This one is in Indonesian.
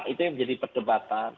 itu yang jadi perdebatan